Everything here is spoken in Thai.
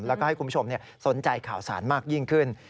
แล้วก็ให้คุณผู้ชมสนใจข่าวสารมากยิ่งขึ้น